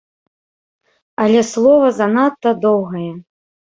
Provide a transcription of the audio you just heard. Але слова занадта доўгае!